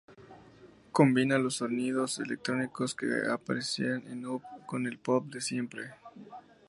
Combina los sonidos electrónicos que ya aparecían en "Up" con el pop de siempre.